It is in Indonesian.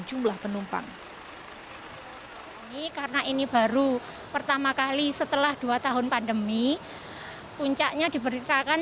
jumlah penumpang ini karena ini baru pertama kali setelah dua tahun pandemi puncaknya diberitakan